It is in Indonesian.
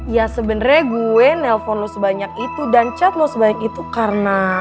ya sebenarnya gue nelpon lo sebanyak itu dan chat lo sebanyak itu karena